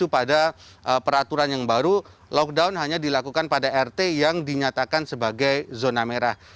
pada peraturan yang baru lockdown hanya dilakukan pada rt yang dinyatakan sebagai zona merah